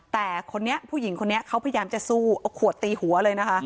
แต่คนนี้ผู้หญิงคนนี้เขาพยายามจะสู้เอาขวดตีหัวเลยนะคะ